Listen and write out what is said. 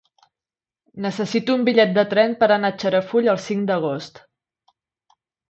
Necessito un bitllet de tren per anar a Xarafull el cinc d'agost.